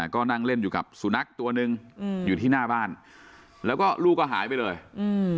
ก็นั่งเล่นอยู่กับสุนัขตัวหนึ่งอืมอยู่ที่หน้าบ้านแล้วก็ลูกก็หายไปเลยอืม